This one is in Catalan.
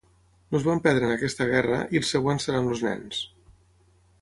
Els vam perdre en aquesta guerra, i els següents seran els nens.